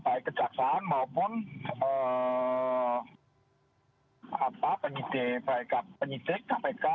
baik kejaksaan maupun penyidik kpk